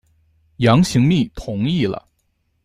杨行密同意了。